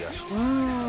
うん！